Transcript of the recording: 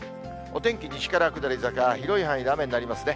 お天気西から下り坂、広い範囲で雨になりますね。